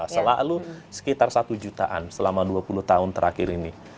selalu sekitar satu jutaan selama dua puluh tahun terakhir ini